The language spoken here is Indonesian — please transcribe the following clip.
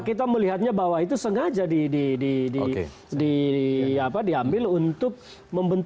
kita melihatnya bahwa itu sengaja diambil untuk membentuk